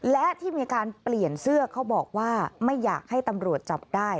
และที่มีการเปลี่ยนเสื้อเขาบอกว่าไม่อยากให้ตำรวจจับได้